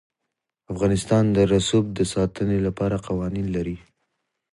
افغانستان د رسوب د ساتنې لپاره قوانین لري.